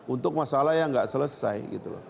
untuk masalah yang nggak selesai